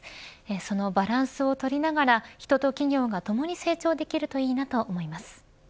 そのバランスを取りながら人と企業がともに成長できるのがいいなと思います。